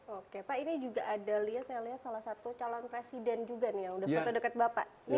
oke pak ini juga ada liat liat salah satu calon presiden juga nih yang sudah foto dekat bapak